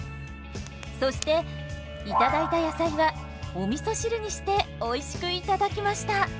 そして頂いた野菜はおみそ汁にしておいしく頂きました。